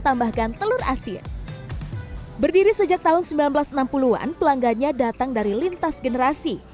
tambahkan telur asin berdiri sejak tahun seribu sembilan ratus enam puluh an pelanggannya datang dari lintas generasi